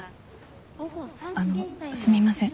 あのすみません